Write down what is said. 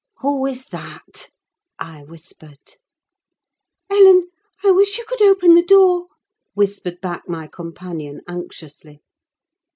"Who is that?" I whispered. "Ellen, I wish you could open the door," whispered back my companion, anxiously.